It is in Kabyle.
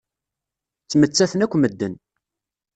Ttmettaten akk medden.